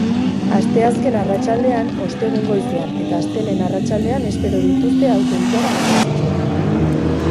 Asteazken arratsaldean, ostegun goizean eta astelehen arratsaldean espero dituzte auto ilara garrantzitsuenak.